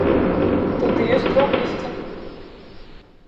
Тады ёсць два выйсця.